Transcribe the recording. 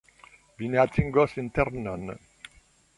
Vi ne atingos internon.